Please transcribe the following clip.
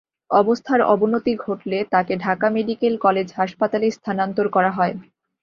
অবস্থার অবনতি ঘটলে তাঁকে ঢাকা মেডিকেল কলেজ হাসপাতালে স্থানান্তর করা হয়।